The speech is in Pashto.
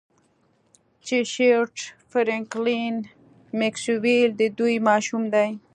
چې شیروډ فرینکلین میکسویل د دوی ماشوم دی